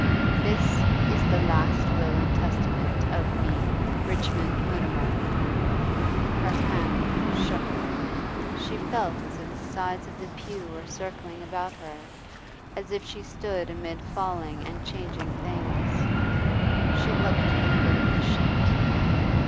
'This is the last will and testament of me, RICHMOND MUTIMER ' Her hand shook. She felt as if the sides of the pew were circling about her, as if she stood amid falling and changing things. She looked to the foot of the sheet.